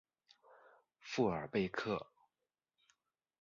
富尔贝克。